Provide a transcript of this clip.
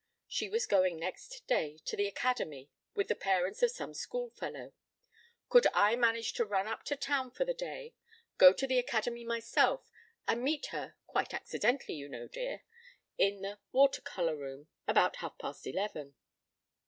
She was going next day to the Academy with the parents of some schoolfellow; could I manage to run up to town for the day, go to the Academy myself, and meet her "quite accidentally, you know, dear," in the Water colour room about half past eleven?